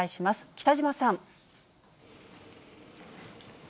北嶋さん。